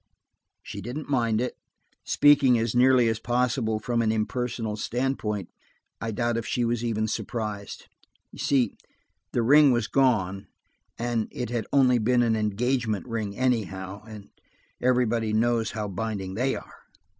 She didn't mind it; speaking as nearly as possible from an impersonal standpoint, I doubt if she was even surprised. You see, the ring was gone and–it had only been an engagement ring anyhow, and everybody knows how binding they are!